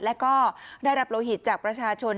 และก็ได้รับโลหิตจากประชาชน